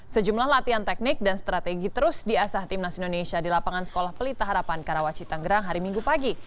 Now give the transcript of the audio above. sejumlah latihan teknik dan strategi terus diasah timnas indonesia di lapangan sekolah pelita harapan karawaci tanggerang hari minggu pagi